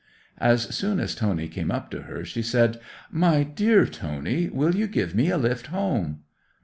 'As soon as Tony came up to her she said, "My dear Tony, will you give me a lift home?"